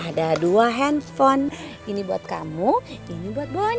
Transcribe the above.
ada dua handphone ini buat kamu ini buat bon